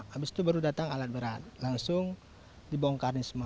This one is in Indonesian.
habis itu baru datang alat berat langsung dibongkarnya semua